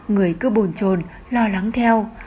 người cứ bồn trồn lo lắng theo